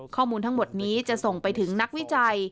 ข้อมูลทั้งหมดนี้จะส่งไปถึงนักวิจัย